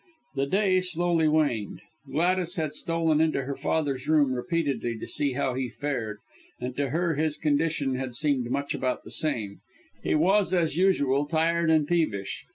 The day slowly waned. Gladys had stolen into her father's room repeatedly to see how he fared, and to her his condition had seemed much about the same he was as usual tired and peevish.